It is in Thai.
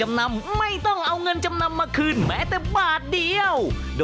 ราคานี้ถือว่าเป็นราคาที่ดีที่สุด